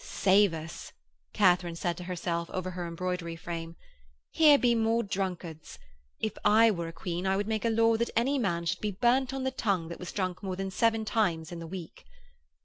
'Save us!' Katharine said to herself over her embroidery frame, 'here be more drunkards. If I were a Queen I would make a law that any man should be burnt on the tongue that was drunk more than seven times in the week.'